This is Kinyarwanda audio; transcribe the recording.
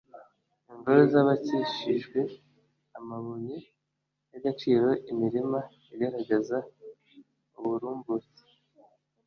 ingoro zubakishijwe amabuye y'agaciro, imirima igaragaza uburumbuke,